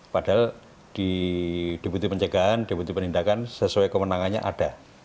padahal di deputi pencegahan deputi penindakan sesuai kewenangannya ada